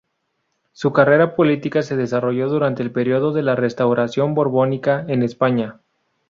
Su carrera política se desarrolló durante el periodo de la Restauración borbónica en España.